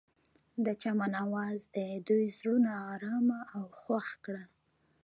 د چمن اواز د دوی زړونه ارامه او خوښ کړل.